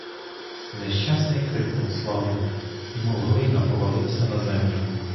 Нещасний крикнув слабо і, мов глина, повалився на землю.